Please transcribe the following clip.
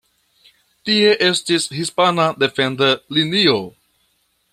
Tie estis hispana defenda linio.